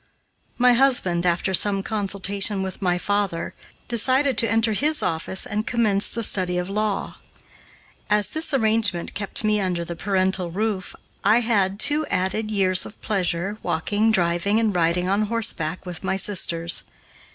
My husband, after some consultation with my father, decided to enter his office and commence the study of the law. As this arrangement kept me under the parental roof, I had two added years of pleasure, walking, driving, and riding on horseback with my sisters.